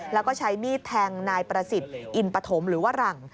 แล้วก็ใช้มีดแทงนายประสิทธิ์อินปฐมหรือว่าหลัง